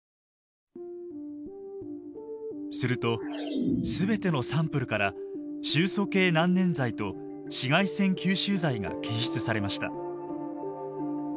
すると全てのサンプルから臭素系難燃剤と紫外線吸収剤が検出されました。